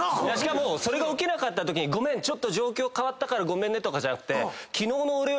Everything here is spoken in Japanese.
それが起きなかったときに「ちょっと状況変わったからごめんね」とかじゃなくて。